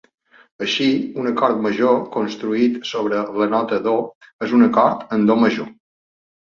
Així, un acord major, construït sobre la nota do, és un acord en do major.